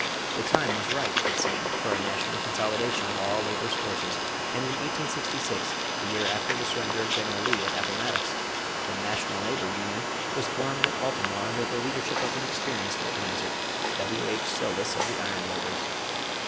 The time was ripe, it seemed, for a national consolidation of all labor's forces; and in 1866, the year after the surrender of General Lee at Appomattox, the "National Labor Union" was formed at Baltimore under the leadership of an experienced organizer, W.H. Sylvis of the iron molders.